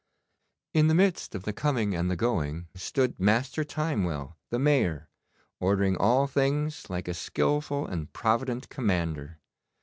In the midst of the coming and the going stood Master Timewell, the Mayor, ordering all things like a skilful and provident commander.